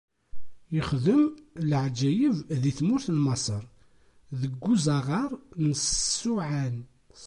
Ixdem leɛǧayeb di tmurt n Maṣer, deg uẓaɣar n Ṣuɛan.